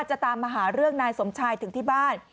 จะตามมาหาเรื่องนายสมชายถึงที่บ้าน